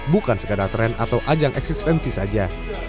bukan sekadar tren atau ajang eksistensi saja